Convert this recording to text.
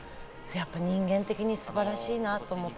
人間的に素晴らしいなと思った。